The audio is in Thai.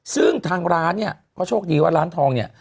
ซึ่งทางร้านเนี่ยก็โชคดีว่าร้านทองเนี่ย